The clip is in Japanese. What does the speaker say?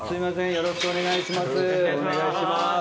よろしくお願いします。